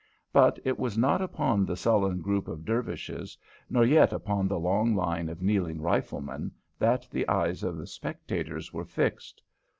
But it was not upon the sullen group of Dervishes, nor yet upon the long line of kneeling riflemen, that the eyes of the spectators were fixed.